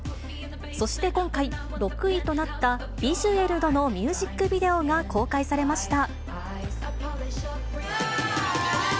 そして今回、６位となったビジュエルドのミュージックビデオが公開されました。